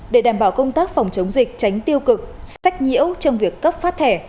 để đảm bảo công tác phòng chống dịch tránh tiêu cực sách nhiễu trong việc cấp phát thẻ